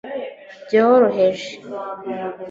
Byoroheje